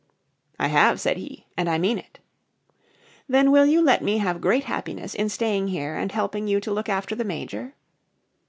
"I have," said he, "and I mean it." "Then will you let me have great happiness in staying here and helping you to look after the Major?"